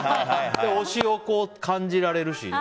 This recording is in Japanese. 推しを感じられるし。